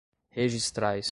registrais